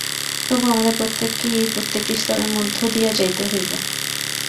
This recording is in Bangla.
তবু আমাদের প্রত্যেককেই এই প্রত্যেকটি স্তরের মধ্য দিয়া যাইতে হইবে।